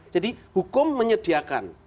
jadi hukum menyediakan